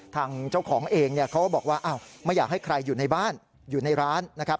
ทางเจ้าของเองเนี่ยเขาก็บอกว่าอ้าวไม่อยากให้ใครอยู่ในบ้านอยู่ในร้านนะครับ